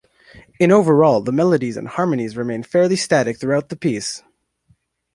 In overall, the melodies and harmonies remain fairly static throughout the piece.